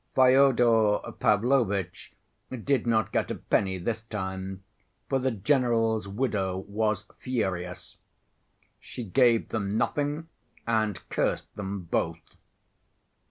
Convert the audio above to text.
Fyodor Pavlovitch did not get a penny this time, for the general's widow was furious. She gave them nothing and cursed them both.